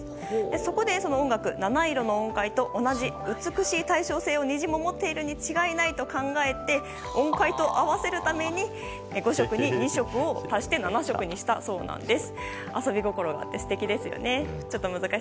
そこで七色の音階と同じ美しい対称性を虹も持っているに違いないと考えて音階と合わせるために５色に２色足して７色にしたそうなんです。